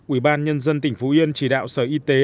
ubnd tỉnh phú yên chỉ đạo sở y tế